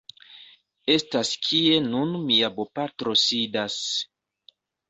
estas kie nun mia bopatro sidas.